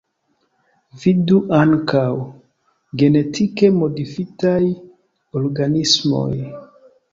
Vidu ankaŭ: Genetike modifitaj organismoj.